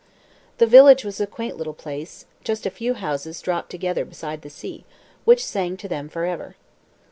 The village was a quaint little place, just a few houses dropped together beside the sea, which sang to them for ever.